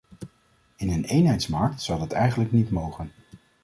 In een eenheidsmarkt zou dat eigenlijk niet mogen.